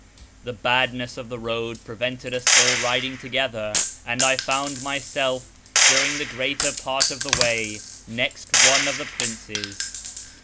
The badness of the road prevented us all riding together, and I found myself, during the greater part of the way, next one of the princes.